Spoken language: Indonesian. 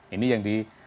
ini yang di